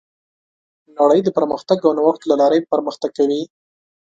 نړۍ د پرمختګ او نوښت له لارې پرمختګ کوي.